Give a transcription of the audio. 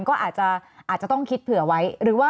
ก็อาจจะต้องคิดเผื่อไว้